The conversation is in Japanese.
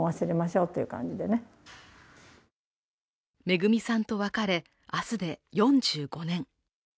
めぐみさんと別れ、明日で４５年。